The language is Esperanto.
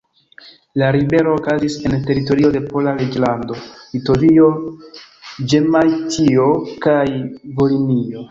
La ribelo okazis en teritorio de Pola Reĝlando, Litovio, Ĵemajtio kaj Volinio.